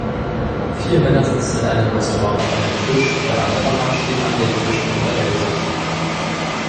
Vier Männer sitzen in einem Restaurant an einem Tisch und ein anderer Mann steht an dem Tisch und unterhält sich.